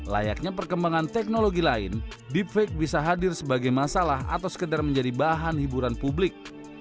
layaknya perkembangan teknologi lain deep fake bisa hadir sebagai masalah atau sekedar menjadi bahan hiburan publik